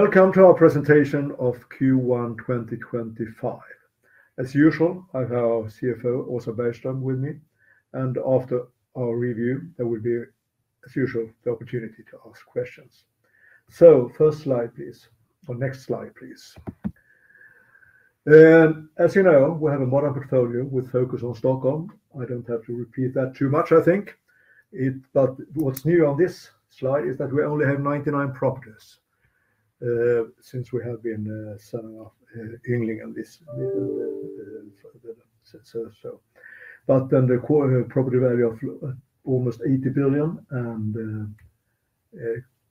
Welcome to Our Presentation of Q1 2025. As usual, I have our CFO, Åsa Bergström, with me. After our review, there will be, as usual, the opportunity to ask questions. First slide, please. Next slide, please. As you know, we have a modern portfolio with a focus on Stockholm. I do not have to repeat that too much, I think. What is new on this slide is that we only have 99 properties since we have been selling off Ynglingen and this. The property value of almost 80 billion.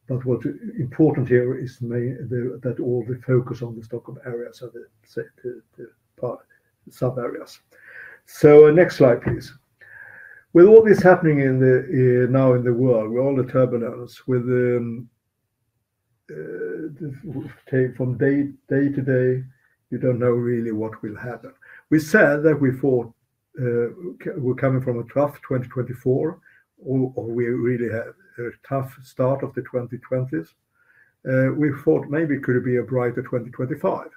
What is important here is that all the focus is on the Stockholm area sub-areas. Next slide, please. With all this happening now in the world, we are all in turbulence. From day to day, you do not know really what will happen. We said that we thought we're coming from a tough 2024, or we really had a tough start of the 2020s. We thought maybe it could be a brighter 2025.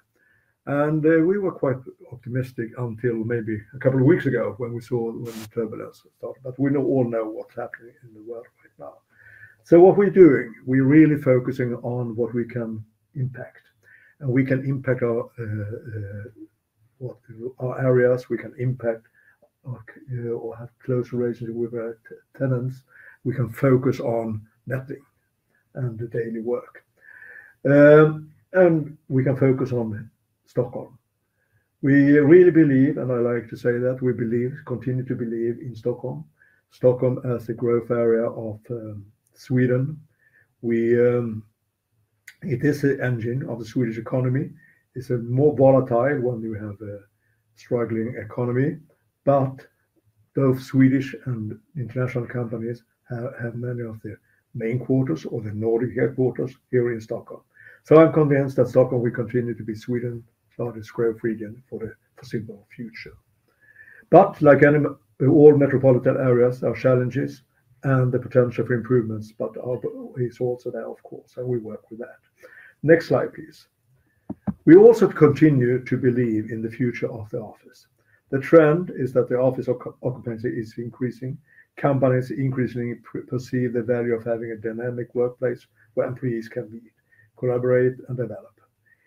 We were quite optimistic until maybe a couple of weeks ago when we saw when the turbulence started. We all know what's happening in the world right now. What are we doing? We're really focusing on what we can impact. We can impact our areas. We can impact or have close relations with our tenants. We can focus on nothing and the daily work. We can focus on Stockholm. We really believe, and I like to say that we believe, continue to believe in Stockholm. Stockholm as the growth area of Sweden. It is the engine of the Swedish economy. It's more volatile when you have a struggling economy. Both Swedish and international companies have many of their main quarters or their Nordic headquarters here in Stockholm. I am convinced that Stockholm will continue to be Sweden's largest growth region for the foreseeable future. Like all metropolitan areas, there are challenges and the potential for improvements. It is also there, of course, and we work with that. Next slide, please. We also continue to believe in the future of the office. The trend is that the office occupancy is increasing. Companies increasingly perceive the value of having a dynamic workplace where employees can meet, collaborate, and develop.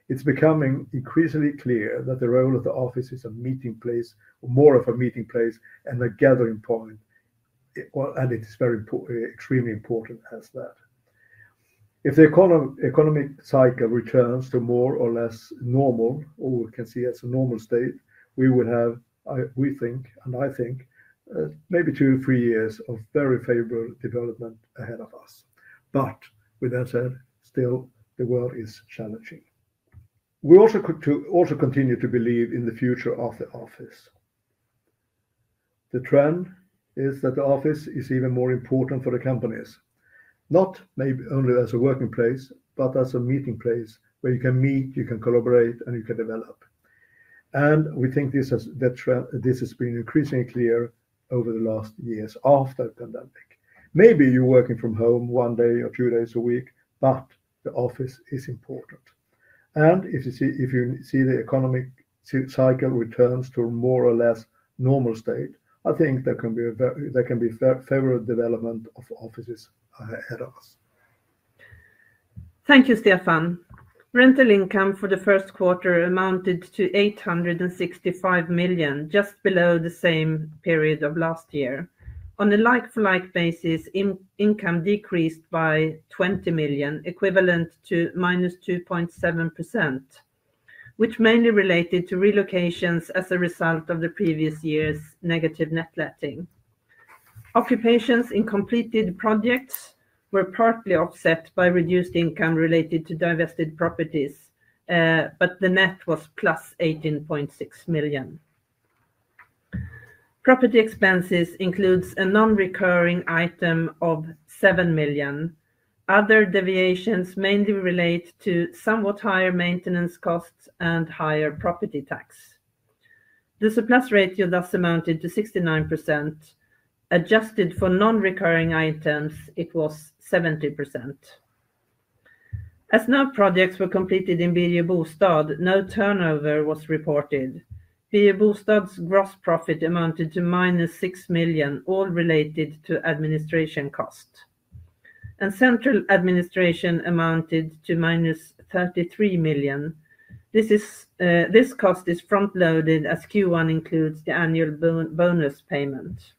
It is becoming increasingly clear that the role of the office is a meeting place, more of a meeting place and a gathering point. It is very extremely important as that. If the economic cycle returns to more or less normal, or we can see as a normal state, we would have, we think, and I think, maybe two to three years of very favorable development ahead of us. With that said, still, the world is challenging. We also continue to believe in the future of the office. The trend is that the office is even more important for the companies, not maybe only as a working place, but as a meeting place where you can meet, you can collaborate, and you can develop. We think this has been increasingly clear over the last years after the pandemic. Maybe you're working from home one day or two days a week, but the office is important. If you see the economic cycle returns to a more or less normal state, I think there can be a favorable development of offices ahead of us. Thank you, Stefan. Rental income for the first quarter amounted to 865 million, just below the same period of last year. On a like-for-like basis, income decreased by 20 million, equivalent to -2.7%, which mainly related to relocations as a result of the previous year's negative net letting. Occupations in completed projects were partly offset by reduced income related to divested properties, but the net was 18.6 million. Property expenses include a non-recurring item of 7 million. Other deviations mainly relate to somewhat higher maintenance costs and higher property tax. The surplus ratio thus amounted to 69%. Adjusted for non-recurring items, it was 70%. As no projects were completed in Birger Bostad, no turnover was reported. Birger Bostad's gross profit amounted to -6 million, all related to administration costs. Central administration amounted to -33 million. This cost is front-loaded as Q1 includes the annual bonus payment.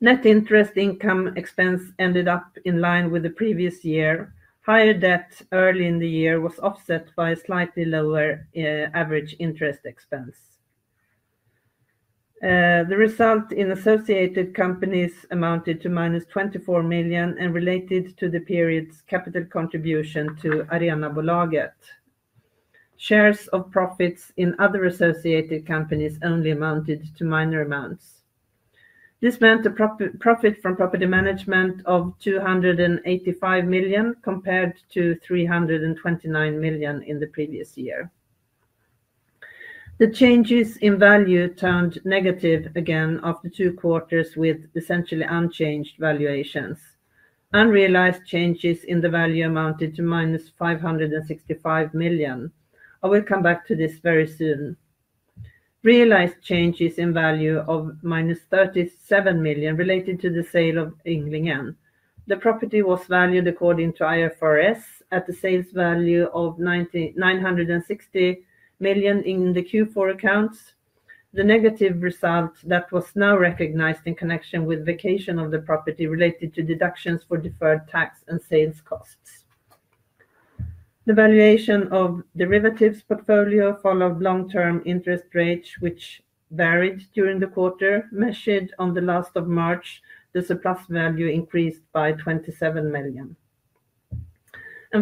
Net interest income expense ended up in line with the previous year. Higher debt early in the year was offset by a slightly lower average interest expense. The result in associated companies amounted to minus 24 million and related to the period's capital contribution to Arenabolaget. Shares of profits in other associated companies only amounted to minor amounts. This meant a profit from property management of 285 million compared to 329 million in the previous year. The changes in value turned negative again after two quarters with essentially unchanged valuations. Unrealized changes in the value amounted to minus 565 million. I will come back to this very soon. Realized changes in value of minus 37 million related to the sale of Ynglingen. The property was valued according to IFRS at a sales value of 960 million in the Q4 accounts. The negative result that was now recognized in connection with vacation of the property related to deductions for deferred tax and sales costs. The valuation of derivatives portfolio followed long-term interest rates, which varied during the quarter. Measured on the last of March, the surplus value increased by 27 million.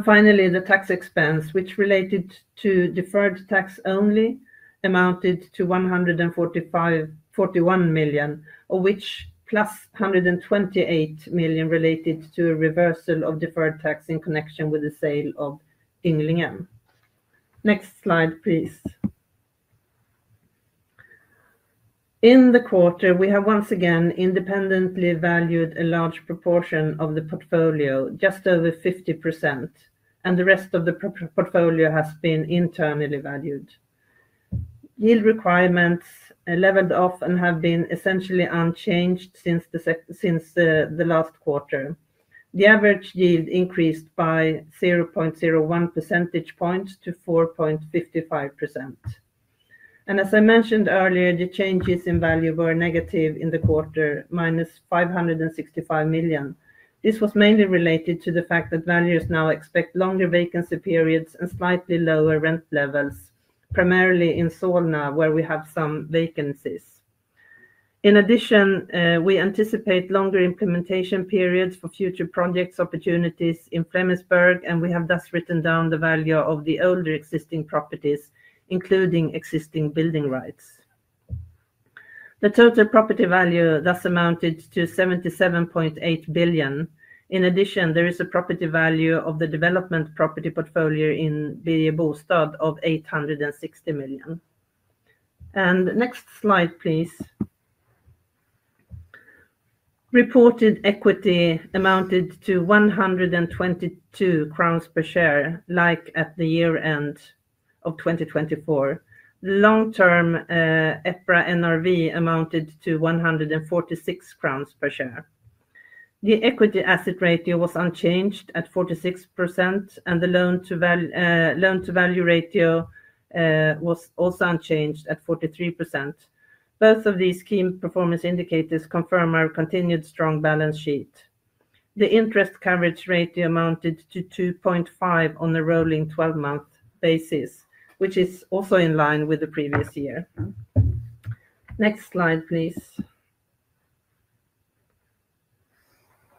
Finally, the tax expense, which related to deferred tax only, amounted to 141 million, of which plus 128 million related to a reversal of deferred tax in connection with the sale of Ynglingen. Next slide, please. In the quarter, we have once again independently valued a large proportion of the portfolio, just over 50%, and the rest of the portfolio has been internally valued. Yield requirements leveled off and have been essentially unchanged since the last quarter. The average yield increased by 0.01 percentage points to 4.55%. As I mentioned earlier, the changes in value were negative in the quarter, minus 565 million. This was mainly related to the fact that values now expect longer vacancy periods and slightly lower rent levels, primarily in Solna, where we have some vacancies. In addition, we anticipate longer implementation periods for future project opportunities in Flemingsberg, and we have thus written down the value of the older existing properties, including existing building rights. The total property value thus amounted to 77.8 billion. In addition, there is a property value of the development property portfolio in Birger Bostad of 860 million. Next slide, please. Reported equity amounted to 122 crowns per share, like at the year-end of 2024. Long-term EPRA NRV amounted to 146 crowns per share. The equity-asset ratio was unchanged at 46%, and the loan-to-value ratio was also unchanged at 43%. Both of these key performance indicators confirm our continued strong balance sheet. The interest coverage ratio amounted to 2.5 on a rolling 12-month basis, which is also in line with the previous year. Next slide, please.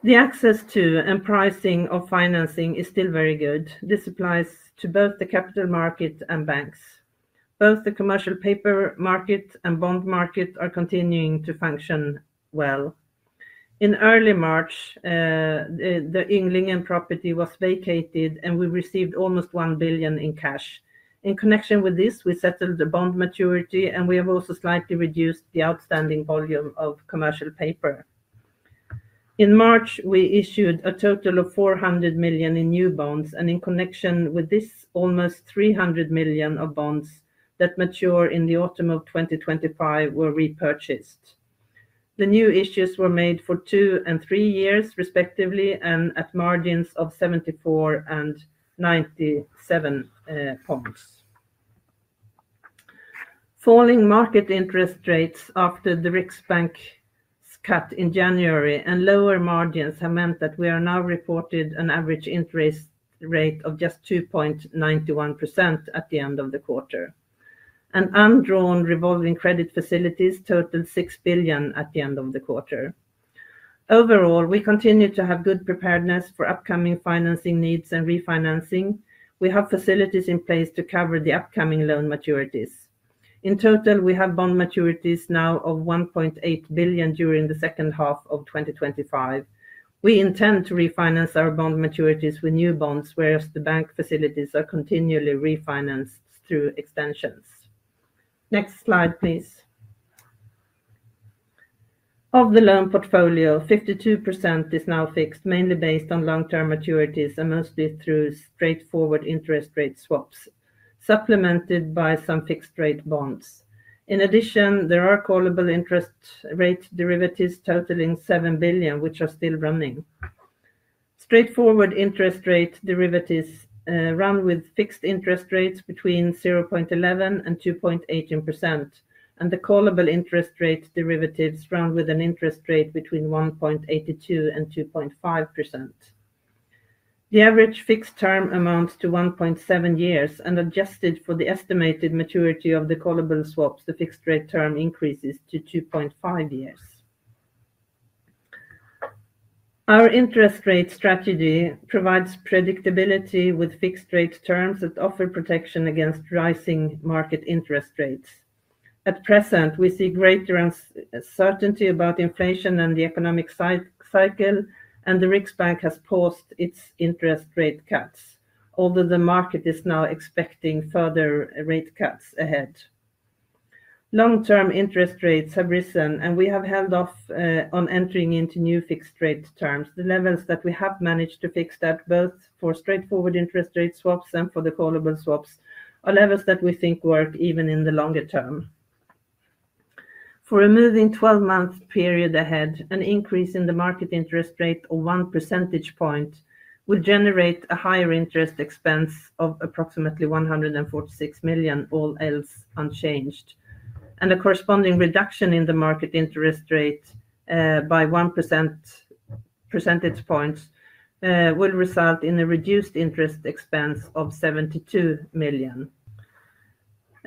The access to and pricing of financing is still very good. This applies to both the capital market and banks. Both the commercial paper market and bond market are continuing to function well. In early March, the Ynglingen property was vacated, and we received almost 1 billion in cash. In connection with this, we settled the bond maturity, and we have also slightly reduced the outstanding volume of commercial paper. In March, we issued a total of 400 million in new bonds, and in connection with this, almost 300 million of bonds that mature in the autumn of 2025 were repurchased. The new issues were made for two and three years, respectively, and at margins of 74 and 97 basis points. Falling market interest rates after the Riksbank's cut in January and lower margins have meant that we are now reported an average interest rate of just 2.91% at the end of the quarter. Undrawn revolving credit facilities totaled 6 billion at the end of the quarter. Overall, we continue to have good preparedness for upcoming financing needs and refinancing. We have facilities in place to cover the upcoming loan maturities. In total, we have bond maturities now of 1.8 billion during the second half of 2025. We intend to refinance our bond maturities with new bonds, whereas the bank facilities are continually refinanced through extensions. Next slide, please. Of the loan portfolio, 52% is now fixed, mainly based on long-term maturities and mostly through straightforward interest rate swaps, supplemented by some fixed-rate bonds. In addition, there are callable interest rate derivatives totaling 7 billion, which are still running. Straightforward interest rate derivatives run with fixed interest rates between 0.11% and 2.18%, and the callable interest rate derivatives run with an interest rate between 1.82% and 2.5%. The average fixed term amounts to 1.7 years, and adjusted for the estimated maturity of the callable swaps, the fixed-rate term increases to 2.5 years. Our interest rate strategy provides predictability with fixed-rate terms that offer protection against rising market interest rates. At present, we see greater uncertainty about inflation and the economic cycle, and the Riksbank has paused its interest rate cuts, although the market is now expecting further rate cuts ahead. Long-term interest rates have risen, and we have held off on entering into new fixed-rate terms. The levels that we have managed to fix that, both for straightforward interest rate swaps and for the callable swaps, are levels that we think work even in the longer term. For a moving 12-month period ahead, an increase in the market interest rate of 1 percentage point will generate a higher interest expense of approximately 146 million, all else unchanged. A corresponding reduction in the market interest rate by 1 percentage point will result in a reduced interest expense of 72 million.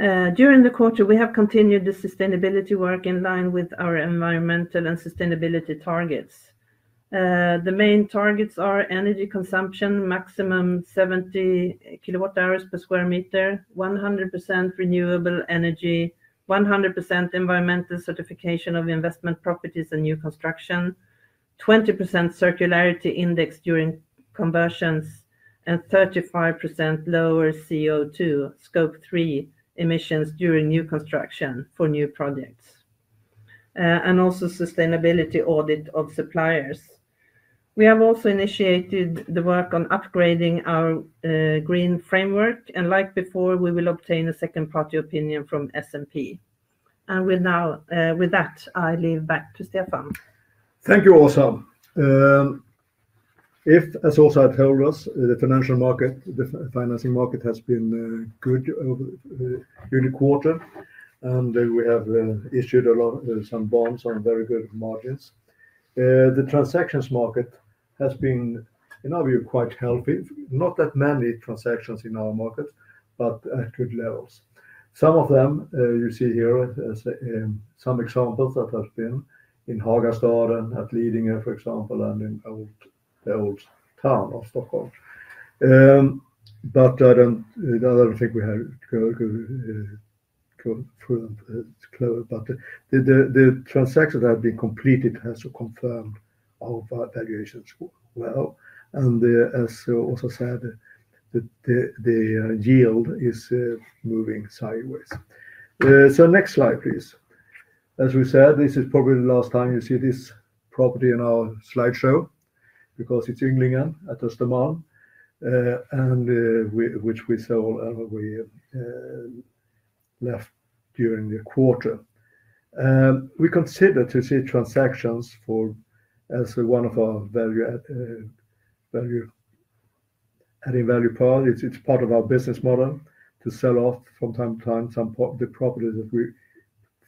During the quarter, we have continued the sustainability work in line with our environmental and sustainability targets. The main targets are energy consumption, maximum 70 kilowatt-hours per sq m, 100% renewable energy, 100% environmental certification of investment properties and new construction, 20% circularity index during conversions, and 35% lower CO2, Scope 3 emissions during new construction for new projects, and also sustainability audit of suppliers. We have also initiated the work on upgrading our green framework, and like before, we will obtain a second-party opinion from S&P. With that, I leave back to Stefan. Thank you all. If, as Åsa has told us, the financial market, the financing market has been good during the quarter, and we have issued some bonds on very good margins. The transactions market has been, in our view, quite healthy. Not that many transactions in our market, but at good levels. Some of them you see here as some examples that have been in Hagastaden, at Lidingö, for example, and in the old town of Stockholm. I do not think we have the transactions that have been completed has confirmed our valuations well. As Åsa also said, the yield is moving sideways. Next slide, please. As we said, this is probably the last time you see this property in our slideshow because it is Ynglingen at Östermalm, which we sold and we left during the quarter. We consider to see transactions as one of our adding value parts. It's part of our business model to sell off from time to time some of the properties that we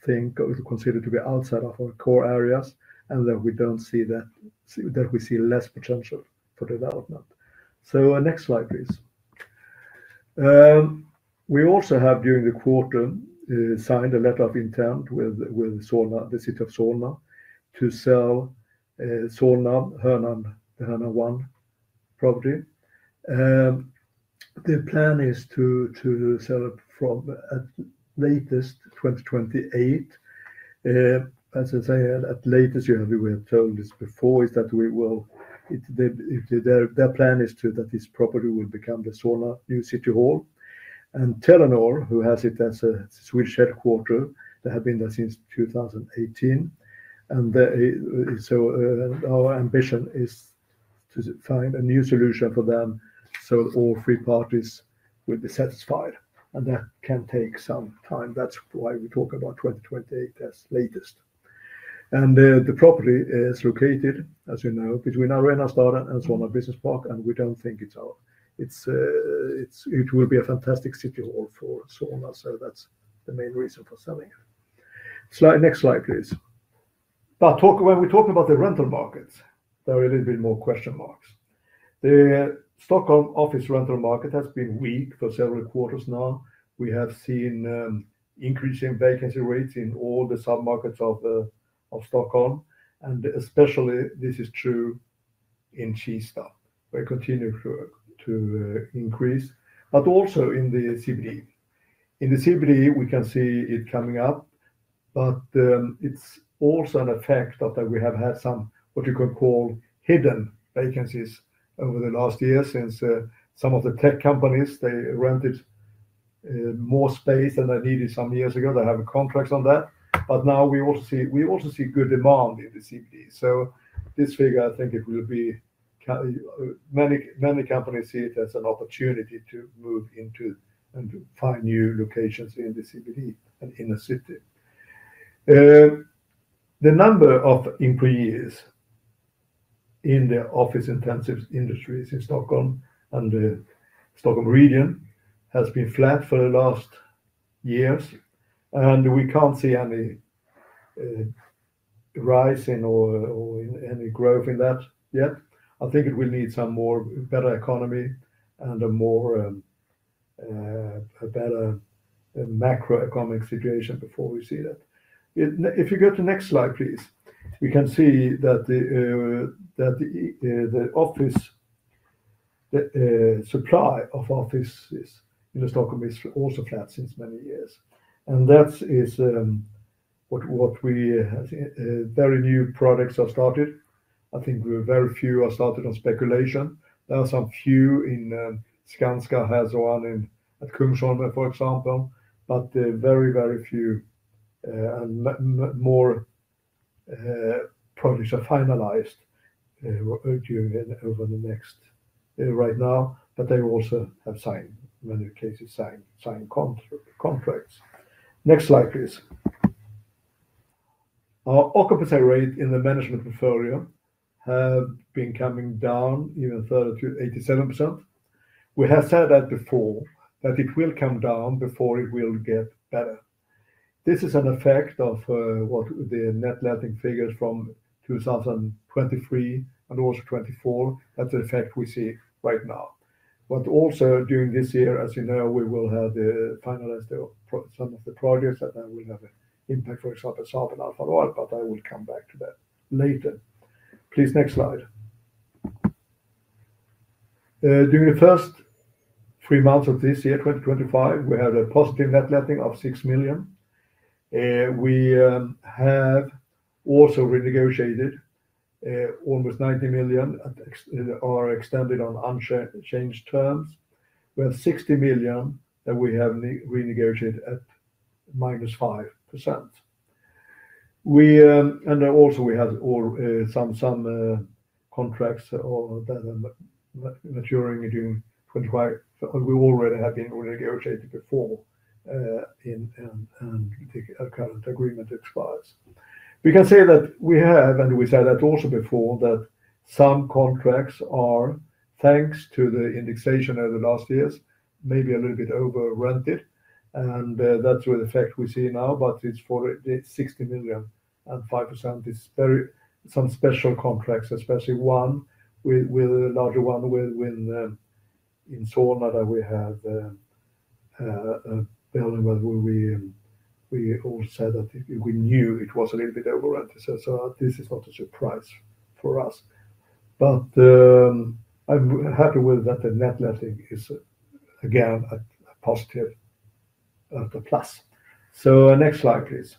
think or consider to be outside of our core areas, and that we see less potential for development. Next slide, please. We also have during the quarter signed a letter of intent with the city of Solna to sell Solna Hörnan 1 property. The plan is to sell it at latest 2028. As I said, at latest, we have told this before, is that we will plan that this property will become the Solna new city hall. Telenor, who has it as a Swedish headquarter, they have been there since 2018. Our ambition is to find a new solution for them so all three parties will be satisfied. That can take some time. That's why we talk about 2028 as latest. The property is located, as you know, between Arenastaden and Solna Business Park, and we do not think it will be a fantastic city hall for Solna. That is the main reason for selling it. Next slide, please. When we talk about the rental markets, there are a little bit more question marks. The Stockholm office rental market has been weak for several quarters now. We have seen increasing vacancy rates in all the submarkets of Stockholm. Especially, this is true in Kista, where it continues to increase, but also in the CBD. In the CBD, we can see it coming up, but it is also an effect of what you can call hidden vacancies over the last year since some of the tech companies rented more space than they needed some years ago. They have contracts on that. Now we also see good demand in the CBD. This figure, I think, will be many companies see it as an opportunity to move into and find new locations in the CBD and inner city. The number of employees in the office-intensive industries in Stockholm and the Stockholm region has been flat for the last years. We can't see any rise in or any growth in that yet. I think it will need some more better economy and a better macroeconomic situation before we see that. If you go to the next slide, please, we can see that the office supply of offices in Stockholm is also flat since many years. That is what we have. Very new products are started. I think very few are started on speculation. There are some few in Skanska has one at Kungsholmen, for example, but very, very few more projects are finalized over the next right now, but they also have signed many cases signed contracts. Next slide, please. Our occupancy rate in the management portfolio has been coming down even further to 87%. We have said that before, that it will come down before it will get better. This is an effect of what the net letting figures from 2023 and also 2024. That's the effect we see right now. Also during this year, as you know, we will have finalized some of the projects that will have an impact, for example, SAP and Alfa Laval, but I will come back to that later. Please, next slide. During the first three months of this year, 2024, we had a positive net letting of 6 million. We have also renegotiated almost 90 million that are extended on unchanged terms. We have 60 million that we have renegotiated at minus 5%. Also, we have some contracts that are maturing during 2025. We already have been renegotiated before and the current agreement expires. We can say that we have, and we said that also before, that some contracts are, thanks to the indexation of the last years, maybe a little bit over-rented. That is the fact we see now, but it is for 60 million and 5%. It is some special contracts, especially one with a larger one in Solna that we have building where we all said that we knew it was a little bit over-rented. This is not a surprise for us. I am happy that the net letting is, again, a positive, a plus. Next slide, please.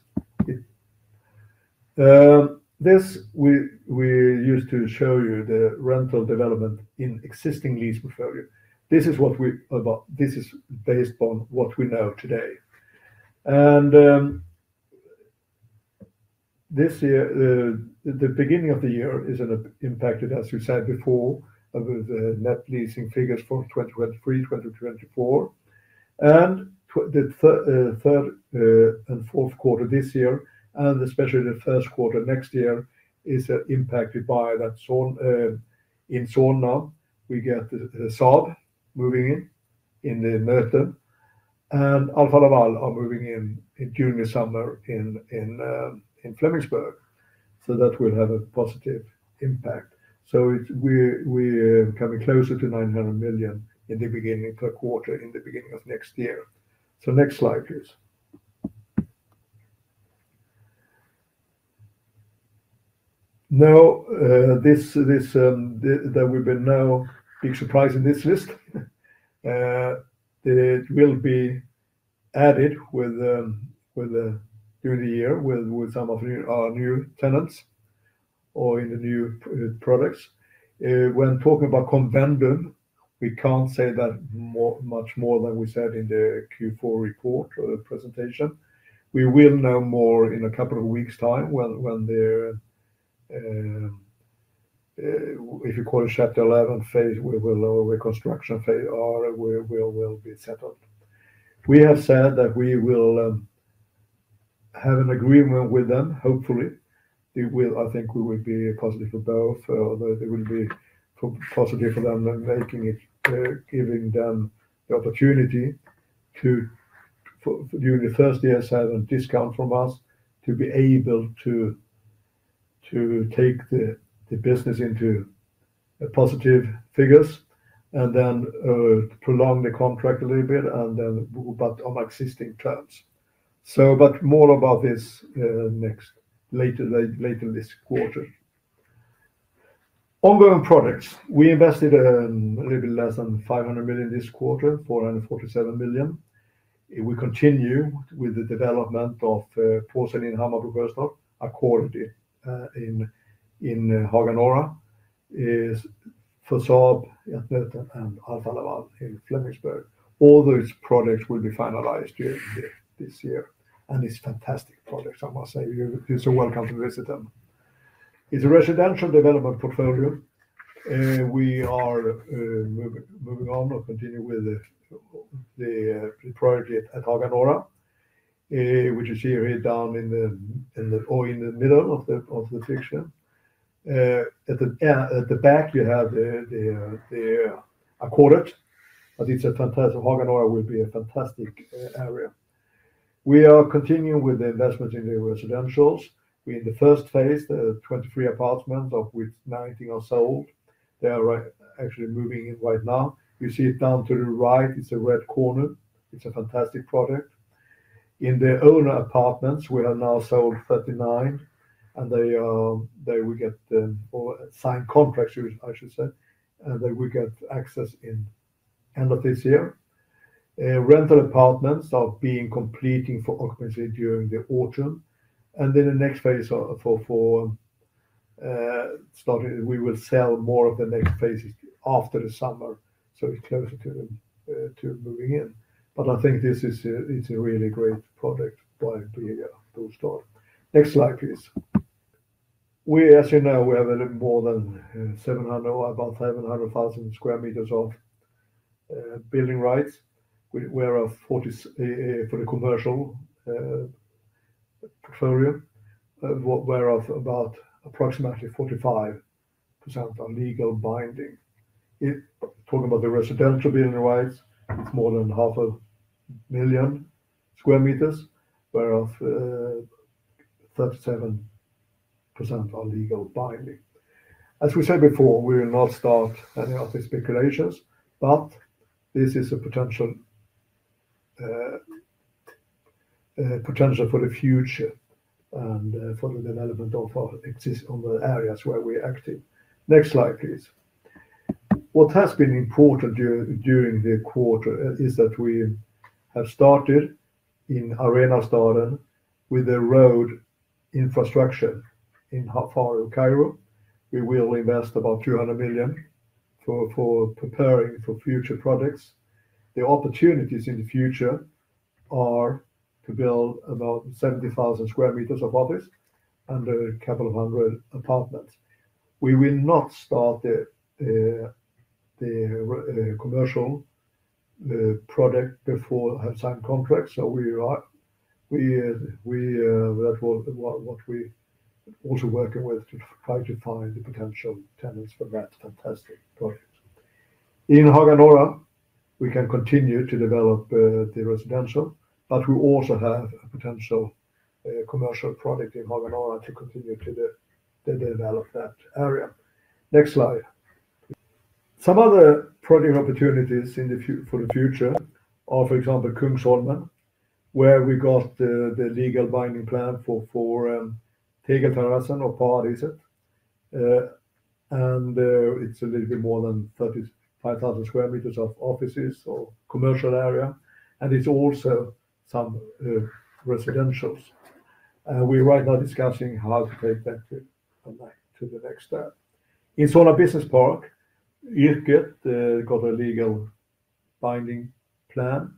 This we used to show you the rental development in existing lease portfolio. This is what we this is based on what we know today. This year, the beginning of the year is impacted, as we said before, with net leasing figures for 2023, 2024. The third and fourth quarter this year, and especially the first quarter next year, is impacted by that in Solna. We get the SAP moving in in the Nöten. Alfa Laval are moving in during the summer in Flemingsberg. That will have a positive impact. We are coming closer to 900 million in the beginning of the quarter in the beginning of next year. Next slide, please. Now, that we have now been surprised in this list, it will be added during the year with some of our new tenants or in the new products. When talking about Convendum, we can't say that much more than we said in the Q4 report or the presentation. We will know more in a couple of weeks' time when the, if you call it chapter 11 phase, we will know where reconstruction phase will be set up. We have said that we will have an agreement with them, hopefully. I think we will be positive for both, although it will be positive for them making it, giving them the opportunity to, during the first year, have a discount from us to be able to take the business into positive figures and then prolong the contract a little bit, but on existing terms. More about this later this quarter. Ongoing projects. We invested a little bit less than 500 million this quarter, 447 million. We continue with the development of Porcelain Hammarby Börssnack, a quarter deal in Haga Norra, for SAP, Nöten, and Alfa Laval in Flemingsberg. All those projects will be finalized this year. It's fantastic projects, I must say. You're so welcome to visit them. It's a residential development portfolio. We are moving on or continuing with the project at Haga Norra, which you see right down in the middle of the picture. At the back, you have a quarter, but it's a fantastic Haga Norra will be a fantastic area. We are continuing with the investments in the residentials. In the first phase, there are 23 apartments of which 19 are sold. They are actually moving in right now. You see it down to the right, it's a red corner. It's a fantastic project. In the owner apartments, we have now sold 39, and they will get signed contracts, I should say, and they will get access in the end of this year. Rental apartments are being completed for occupancy during the autumn. The next phase for starting, we will sell more of the next phases after the summer, so it is closer to moving in. I think this is a really great project by Fabege to start. Next slide, please. We, as you know, we have a little more than 700, about 700,000 sq m of building rights. We are for the commercial portfolio, whereof about approximately 45% are legal binding. Talking about the residential building rights, it is more than 500,000 sq m, whereof 37% are legal binding. As we said before, we will not start any of these speculations, but this is a potential for the future and for the development of our existing areas where we're active. Next slide, please. What has been important during the quarter is that we have started in Arenastaden with the road infrastructure in Faro, Cairo. We will invest about 200 million for preparing for future projects. The opportunities in the future are to build about 70,000 sq m of office and a couple of hundred apartments. We will not start the commercial project before we have signed contracts. We are also working with to try to find the potential tenants for that fantastic project. In Hagastaden, we can continue to develop the residential, but we also have a potential commercial project in Hagastaden to continue to develop that area. Next slide. Some other project opportunities for the future are, for example, Kungsholmen, where we got the legally binding plan for Tegelterrassen or Paradiset. It is a little bit more than 35,000 sq m of offices or commercial area. It is also some residentials. We are right now discussing how to take that to the next step. In Solna Business Park, Yrket got a legally binding plan.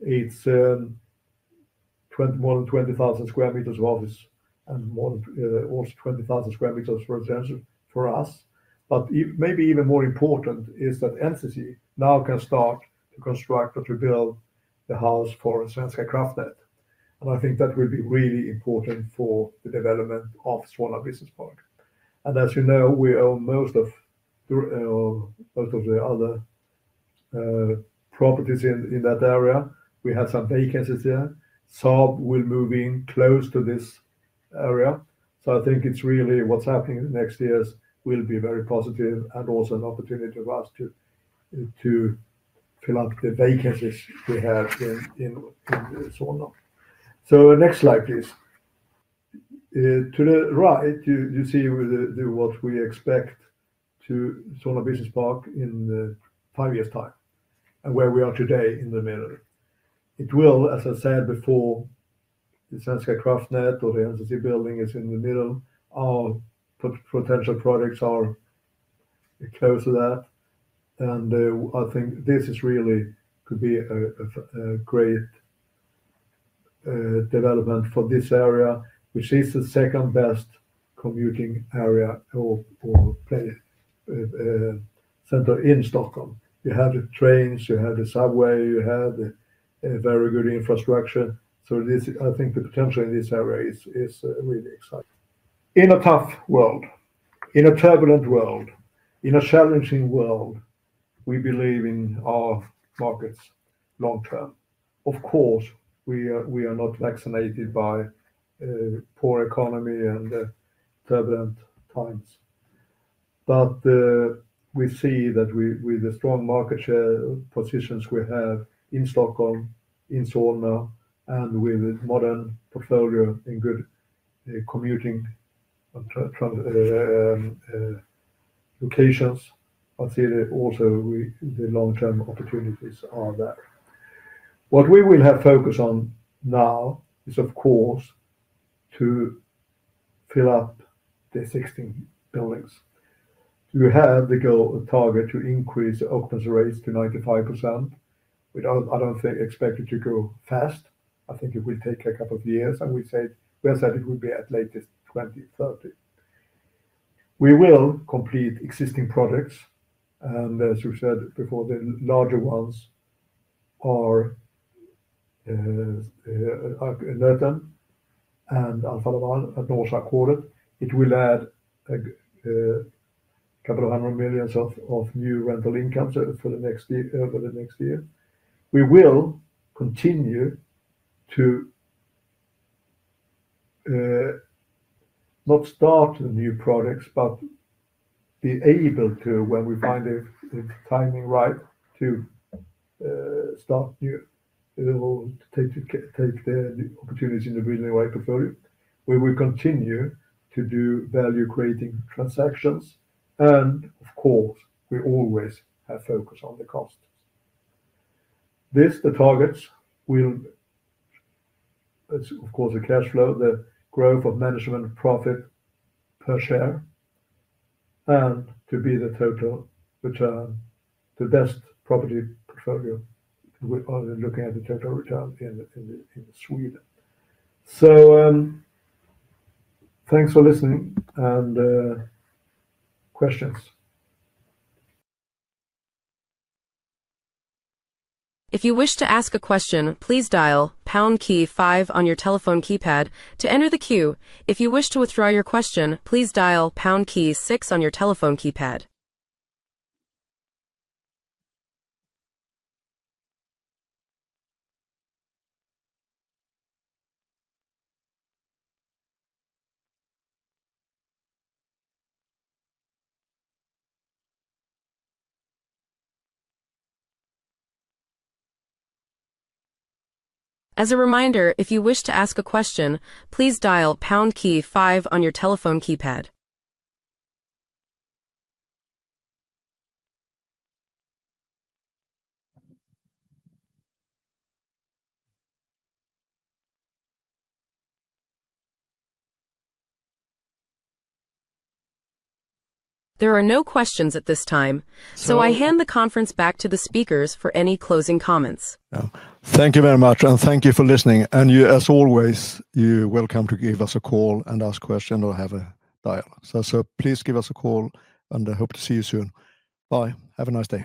It is more than 20,000 sq m of office and more than 20,000 sq m for residential for us. Maybe even more important is that Entity now can start to construct or to build the house for Svenska Kraftnät. I think that will be really important for the development of Solna Business Park. As you know, we own most of the other properties in that area. We have some vacancies there. SAP will move in close to this area. I think it's really what's happening in the next years will be very positive and also an opportunity for us to fill up the vacancies we have in Solna. Next slide, please. To the right, you see what we expect of Solna Business Park in five years' time and where we are today in the middle. It will, as I said before, the Svenska Kraftnät or the Entity building is in the middle. Our potential projects are close to that. I think this really could be a great development for this area, which is the second best commuting area or center in Stockholm. You have the trains, you have the subway, you have very good infrastructure. I think the potential in this area is really exciting. In a tough world, in a turbulent world, in a challenging world, we believe in our markets long-term. Of course, we are not vaccinated by poor economy and turbulent times. We see that with the strong market share positions we have in Stockholm, in Solna, and with a modern portfolio in good commuting locations, I'd say also the long-term opportunities are there. What we will have focus on now is, of course, to fill up the existing buildings. We have the target to increase the occupancy rates to 95%. I do not expect it to go fast. I think it will take a couple of years. We said it will be at latest 2030. We will complete existing projects. As we said before, the larger ones are Nöten and Alfa Laval at Northside Quarter. It will add a couple of hundred million SEK of new rental income for the next year. We will continue to not start new projects, but be able to, when we find the timing right, to start new or take the opportunities in the building right portfolio. We will continue to do value-creating transactions. Of course, we always have focus on the costs. This, the targets, will, of course, the cash flow, the growth of management profit per share, and to be the total return, the best property portfolio, looking at the total return in Sweden. Thanks for listening and questions. If you wish to ask a question, please dial pound key five on your telephone keypad to enter the queue. If you wish to withdraw your question, please dial pound key six on your telephone keypad. As a reminder, if you wish to ask a question, please dial pound key five on your telephone keypad. There are no questions at this time, so I hand the conference back to the speakers for any closing comments. Thank you very much, and thank you for listening. As always, you're welcome to give us a call and ask questions or have a dialogue. Please give us a call, and I hope to see you soon. Bye. Have a nice day.